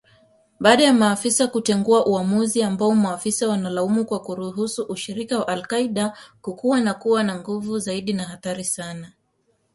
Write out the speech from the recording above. Baada ya maafisa kutengua uamuzi ambao maafisa wanalaumu kwa kuruhusu ushirika wa al-Qaida kukua na kuwa na nguvu zaidi na hatari sana